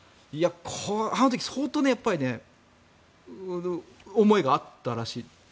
あの時相当思いがあったらしい。